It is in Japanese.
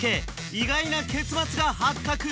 意外な結末が発覚！